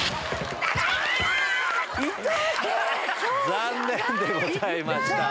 残念でございました。